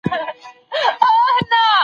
که زده کوونکی تمرکز وساتي، خطا نه تکرارېږي.